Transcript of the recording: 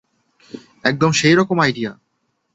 একদম সেই রকম আইডিয়া!